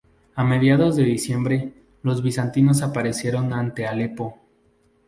A mediados de diciembre, los bizantinos aparecieron ante Alepo.